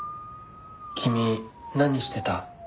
君何してた？